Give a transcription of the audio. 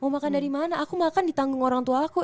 makan dari mana aku makan di tanggung orangtuaku